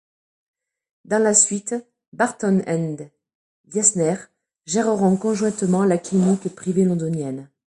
Dans la suite, Barton et Wiesner géreront conjointement la clinique privée londonienne.